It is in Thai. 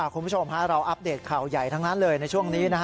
คุณผู้ชมเราอัปเดตข่าวใหญ่ทั้งนั้นเลยในช่วงนี้